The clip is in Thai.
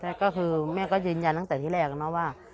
แล้วก็คือแม่ก็ยืนยันตั้งแต่ที่แรกนะว่า